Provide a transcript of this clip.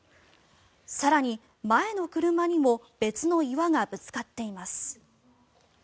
更に、前の車にも別の岩がぶつかっています。